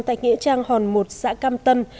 tại nghĩa trang hòn một xã cam tân